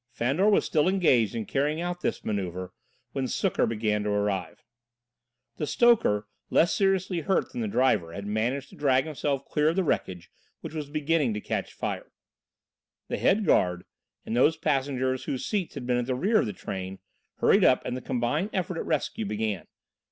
Fandor was still engaged in carrying out this manoeuvre when succour began to arrive. The stoker, less seriously hurt than the driver, had managed to drag himself clear of the wreckage, which was beginning to catch fire. The head guard, and those passengers whose seats had been at the rear of the train, hurried up and the combined effort at rescue began.